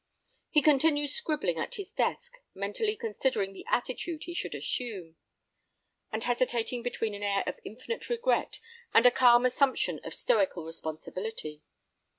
He continued scribbling at his desk, mentally considering the attitude he should assume, and hesitating between an air of infinite regret and a calm assumption of stoical responsibility.